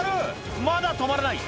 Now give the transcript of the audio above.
まだ止まらない